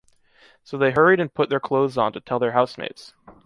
So they hurried and put their clothes on to tell their housemates.